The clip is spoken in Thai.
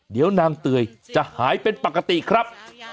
เดี๋ยวนางเตยจะหายเป็นปกติครับ